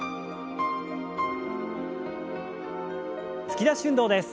突き出し運動です。